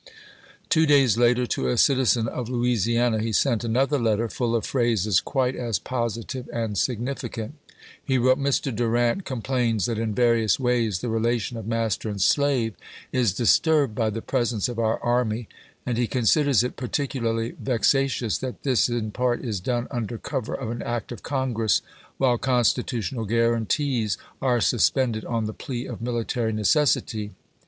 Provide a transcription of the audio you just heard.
Two days later to a citizen of Louisiana he sent another letter, full of phrases quite as positive and significant. He wi ote : Mr. Durant complains that in various ways the relation of master and slave is disturbed by the presence of our army, and he considers it particularly vexatious that this, in part, is done under cover of an act of Congress, while constitutional guaranties are suspended on the plea of military necessity.